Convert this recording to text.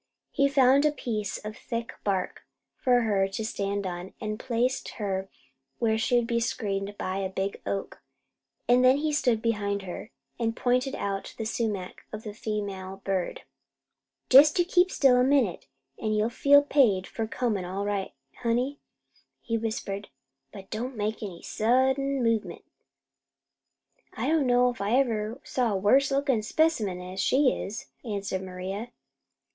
He found a piece of thick bark for her to stand on, and placed her where she would be screened by a big oak. Then he stood behind her and pointed out the sumac and the female bird. "Jest you keep still a minute, an' you'll feel paid for comin' all right, honey," he whispered, "but don't make any sudden movement." "I don't know as I ever saw a worse lookin' specimen 'an she is," answered Maria.